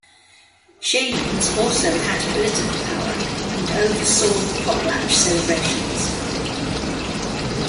Shamans also had political power and oversaw potlatch celebrations.